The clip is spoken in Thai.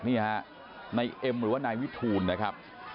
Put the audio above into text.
นี่ฮะนายเอ็มหรือว่านายวิทูลนะครับ